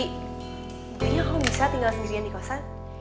kayaknya kamu bisa tinggal sendirian di kosan